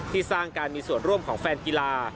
สร้างการมีส่วนร่วมของแฟนกีฬา